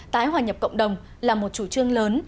tái hòa nhập cộng đồng là một chủ trương lớn